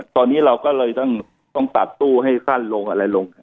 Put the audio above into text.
ตอนนี้เราก็เลยต้องตัดตู้ให้สั้นลงอะไรลง